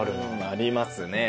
ありますね。